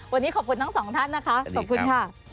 วันนี้ขอบคุณทั้งสองท่านนะคะขอบคุณค่ะ